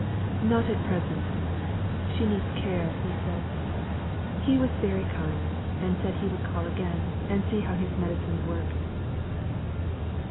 "Not at present; she needs care, he says; he was very kind, and he said he would call again, and see how his medicines worked."